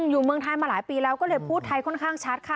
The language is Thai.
อยู่เมืองไทยมาหลายปีแล้วก็เลยพูดไทยค่อนข้างชัดค่ะ